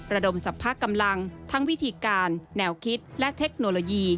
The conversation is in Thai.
ระดมสรรพกำลังทั้งวิธีการแนวคิดและเทคโนโลยี